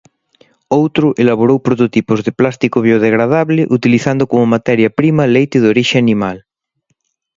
Outro elaborou prototipos de plástico biodegradable utilizando como materia prima leite de orixe animal.